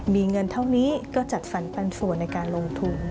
มีเงินเท่านี้ก็จัดสรรปันส่วนในการลงทุน